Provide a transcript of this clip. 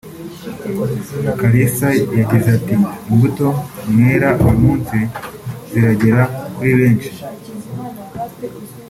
Kalisa yagize ati “Imbuto mwera uyu munsi ziragera kuri benshi